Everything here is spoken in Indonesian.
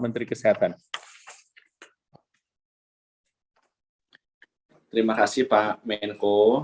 terima kasih pak menko